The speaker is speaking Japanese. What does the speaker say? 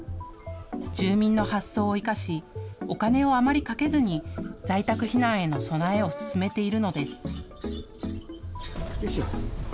住民の発想を生かしお金をあまりかけずに在宅避難への備えを進めているのです。